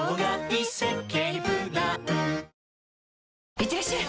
いってらっしゃい！